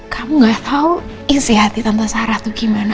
kamu gak tau isi hati tante sarah itu gimana